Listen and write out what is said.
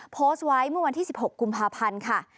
โพสต์ไว้เมื่อวันที่๑๖กุมภาพันธ์ค่ะ